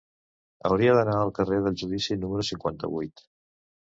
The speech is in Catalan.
Hauria d'anar al carrer del Judici número cinquanta-vuit.